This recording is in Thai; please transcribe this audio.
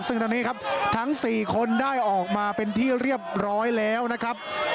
ซึ่งตอนนี้ครับทั้ง๔คนได้ออกมาเป็นที่เรียบร้อยแล้วนะครับ